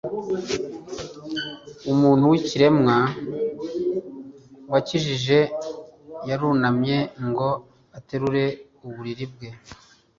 Umuntu w’ikirema wakijijwe yarunamye ngo aterure uburiri bwe